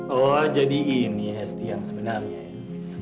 oh jadi ini yang sebenarnya ya